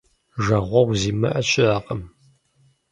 Жагъуэгъу зимыӏэ щыӏэкъым.